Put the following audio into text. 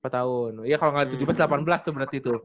empat tahun iya kalo ga tujuh belas delapan belas tuh berarti itu